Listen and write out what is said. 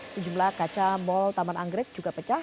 sejumlah kaca mall taman anggrek juga pecah